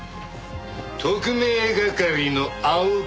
特命係の青木。